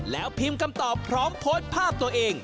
แล้วพิมพ์คำตอบพร้อมโพสต์ภาพตัวเอง